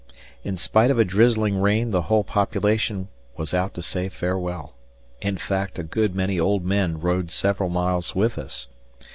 In spite of a drizzling rain the whole population was out to say farewell; in fact a good many old men rode several miles with us.